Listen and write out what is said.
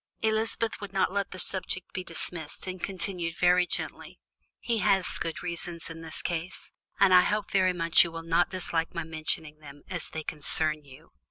Elizabeth would not let the subject be dismissed, and continued very gently: "He had good reasons in this case, and I hope very much you will not dislike my mentioning them, as they concern you.